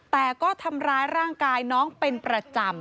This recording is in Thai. แต่ก็ทำร้ายร่างกายน้องเป็นประจำ